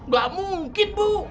gak mungkin bu